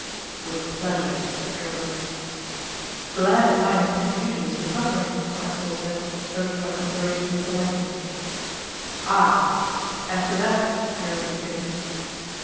'With pleasure,' said Aribert. 'Glad his Highness Prince Eugen is recovering,' Racksole said, urged by considerations of politeness. 'Ah! As to that ' Aribert began.